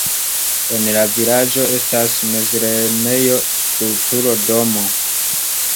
En la vilaĝo estas mezlernejo, kulturdomo.